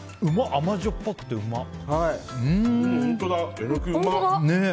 甘じょっぱくてうまっ！